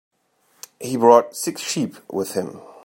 He brought six sheep with him.